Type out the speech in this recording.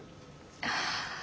ああ。